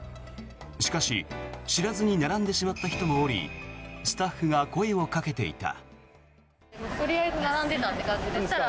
しかし知らずに並んでしまった人もおりスタッフが声をかけていた。